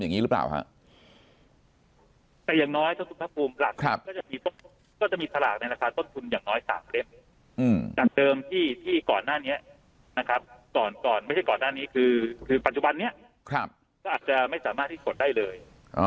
ที่ก่อนหน้านี้นะครับก่อนก่อนไม่ใช่ก่อนหน้านี้คือคือปัจจุบันนี้ครับก็อาจจะไม่สามารถที่กดได้เลยอ๋อ